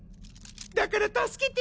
だから助けて！